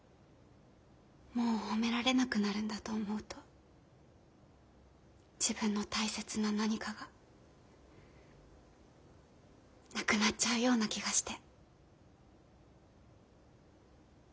もう褒められなくなるんだと思うと自分の大切な何かがなくなっちゃうような気がして。